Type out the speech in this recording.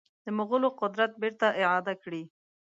د مغولو قدرت بیرته اعاده کړي.